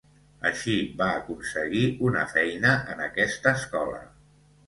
Així va aconseguir una feina en aquesta escola.